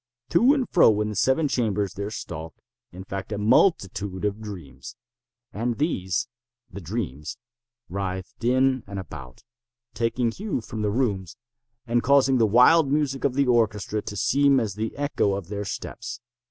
To and fro in the seven chambers there stalked, in fact, a multitude of dreams. And these—the dreams—writhed in and about, taking hue from the rooms, and causing the wild music of the orchestra to seem as the echo of their steps.